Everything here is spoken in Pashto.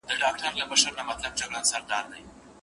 که استاد د املا کلمې په جملو کي ووايي.